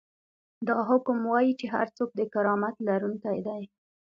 دا حکم وايي چې هر څوک د کرامت لرونکی دی.